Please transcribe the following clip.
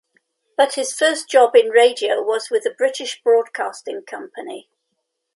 But his first job in radio was with the British Broadcasting Company.